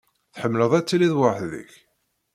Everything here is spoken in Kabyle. Tḥemmleḍ ad tiliḍ weḥd-k?